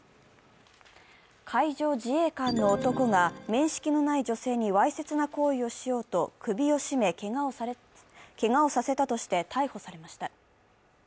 海上自衛官の男が面識のない女性にわいせつな行為をしようと首を絞めけがをさせたとして逮捕されました。